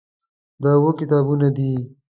دا اووه کتابونه دي.